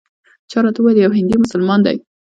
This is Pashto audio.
چا راته وویل یو هندي مسلمان دی.